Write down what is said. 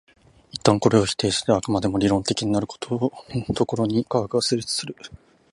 一旦これを否定して飽くまでも理論的になるところに科学は成立する。